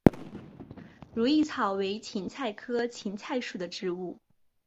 如意草为堇菜科堇菜属的植物。